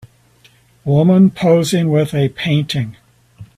Woman posing with a painting.